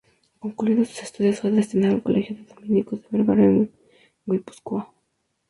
Concluidos sus estudios fue destinado al Colegio de los Dominicos de Vergara, en Guipúzcoa.